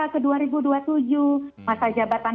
ke dua ribu dua puluh tujuh masa jabatan